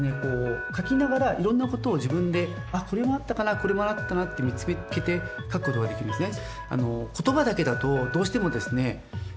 書きながらいろんなことを自分であっこれもあったかなこれもあったなって見つけて書くことができるんですね。